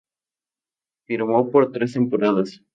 Firmó por tres temporadas.